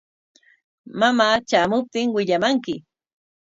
Mamaa tramuptin willamanki.